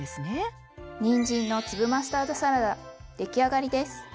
にんじんの粒マスタードサラダ出来上がりです。